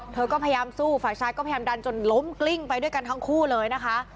เธอก็พยายามสู้ฝ่ายชายก็พยายามดันจนล้มกลิ้งไปด้วยกันทั้งคู่เลยนะคะ